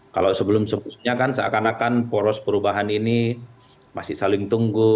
kalau sebelum sebelumnya kan seakan akan poros perubahan ini masih saling tunggu